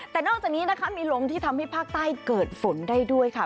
แต่นอกจากนี้นะคะมีลมที่ทำให้ภาคใต้เกิดฝนได้ด้วยค่ะ